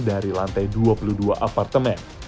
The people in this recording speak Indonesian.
dari lantai dua puluh dua apartemen